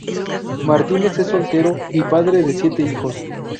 Martínez es soltero y padre de siete hijos.